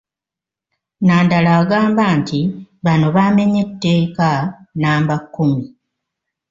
Nandala agamba nti bano baamenye etteeka nnamba kkumi.